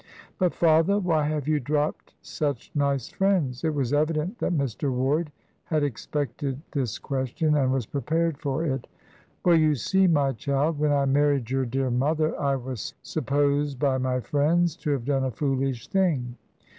"But, father, why have you dropped such nice friends?" It was evident that Mr. Ward had expected this question, and was prepared for it. "Well, you see, my child, when I married your dear mother I was supposed by my friends to have done a foolish thing.